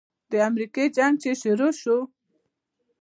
د امريکې جنگ چې شروع سو.